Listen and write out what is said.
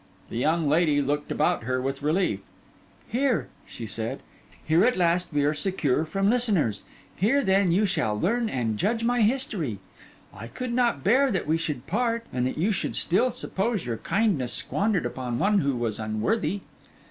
The young lady looked about her with relief. 'Here,' she said, 'here at last we are secure from listeners. Here, then, you shall learn and judge my history. I could not bear that we should part, and that you should still suppose your kindness squandered upon one who was unworthy.